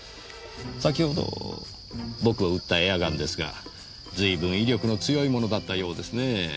先ほど僕を撃ったエアガンですがずいぶん威力の強いものだったようですねぇ。